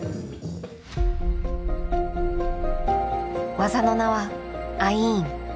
技の名は「アイーン」。